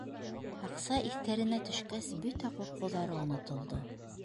Аҡса иҫтәренә төшкәс, бөтә ҡурҡыуҙары онотолдо.